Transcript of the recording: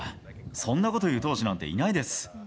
そんなこと言う投手なんていないです。